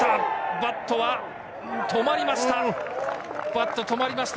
バットは止まりました。